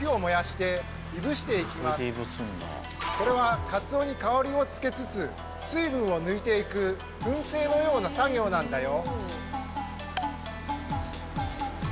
次はこれはカツオに香りをつけつつ水分を抜いていく燻製のような作業なんだよ。